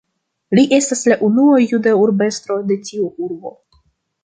Li estas la unua juda urbestro de tiu urbo.